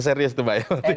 serius itu mbak eva